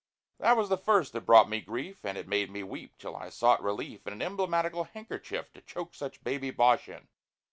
That was the first that brought me grief, And made me weep, till I sought relief In an emblematical handkerchief, To choke such baby bosh in.